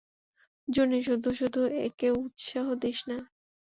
জুনি, শুধু শুধু একে উৎসাহ দিস না।